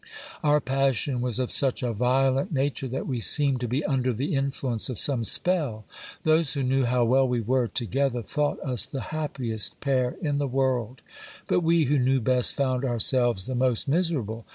Our passion was of such a violent nature, that we seemed to be under the influence of some spell. Those who knew how well we were together, thought us the happiest pair in the world ; but we, who knew best, found our selves the most miserable.